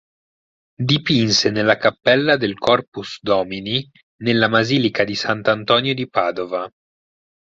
Dipinse nella cappella del Corpus Domini nella Basilica di Sant'Antonio di Padova.